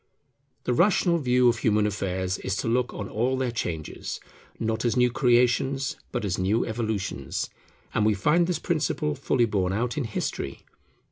The rational view of human affairs is to look on all their changes, not as new Creations, but as new Evolutions. And we find this principle fully borne out in history.